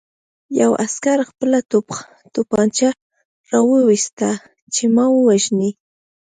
یوه عسکر خپله توپانچه را وویسته چې ما ووژني